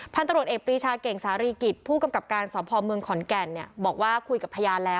พันธุ์ตำรวจเอกปรีชาเก่งสารีกิจผู้กำกับการสอบภอมเมืองขอนแก่นบอกว่าคุยกับพยานแล้ว